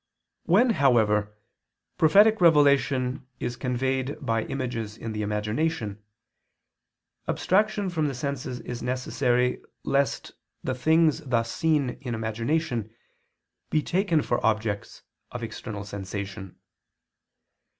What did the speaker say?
When, however, prophetic revelation is conveyed by images in the imagination, abstraction from the senses is necessary lest the things thus seen in imagination be taken for objects of external sensation.